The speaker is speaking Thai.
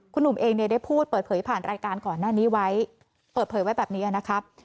คุณหนุ่มเองเนี่ยได้พูดเปิดเผยผ่านรายการก่อนหน้านี้ไว้เปิดเผยไว้แบบนี้นะครับ